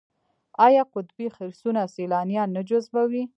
آیا قطبي خرسونه سیلانیان نه جذبوي؟